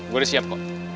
gue udah siap kok